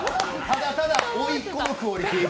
ただただおいっ子のクオリティー。